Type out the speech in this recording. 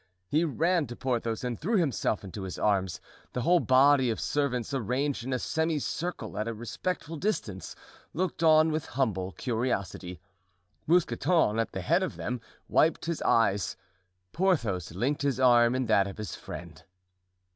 He ran to Porthos and threw himself into his arms; the whole body of servants, arranged in a semi circle at a respectful distance, looked on with humble curiosity. Mousqueton, at the head of them, wiped his eyes. Porthos linked his arm in that of his friend.